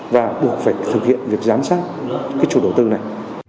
và buộc phải thực hiện việc giám sát cái chủ đầu tư này